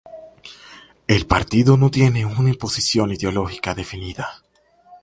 El partido no tiene una posición ideológica definida.